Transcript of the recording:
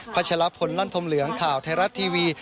ชะลพลลั่นธมเหลืองข่าวไทยรัฐทีวี